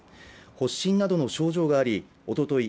発疹などの症状がありおととい